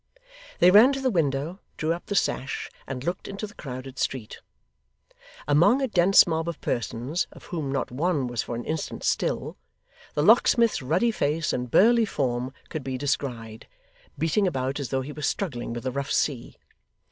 They ran to the window, drew up the sash, and looked into the crowded street. Among a dense mob of persons, of whom not one was for an instant still, the locksmith's ruddy face and burly form could be descried, beating about as though he was struggling with a rough sea.